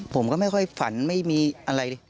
ผมก็ไม่ค่อยฝันไม่มีอะไร